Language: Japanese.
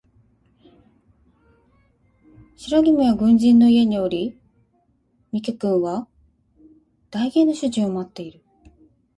白君は軍人の家におり三毛君は代言の主人を持っている